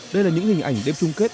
đây là những hình ảnh đêm trung kết